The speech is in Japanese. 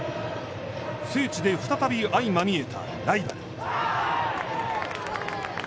聖地で再び相まみえたライバル。